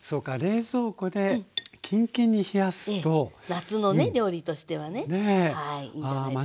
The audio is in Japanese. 夏のね料理としてはねはいいいんじゃないですか。